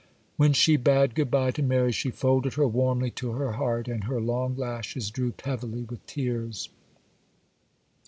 When she bade good bye to Mary, she folded her warmly to her heart, and her long lashes drooped heavily with tears.